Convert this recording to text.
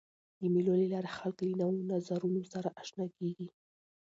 د مېلو له لاري خلک له نوو نظرونو سره آشنا کيږي.